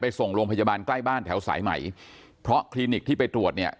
ส่งโรงพยาบาลใกล้บ้านแถวสายใหม่เพราะคลินิกที่ไปตรวจเนี่ย